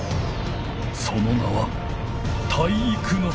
その名は体育ノ介！